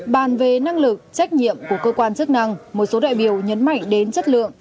bàn về năng lực trách nhiệm của cơ quan chức năng một số đại biểu nhấn mạnh đến chất lượng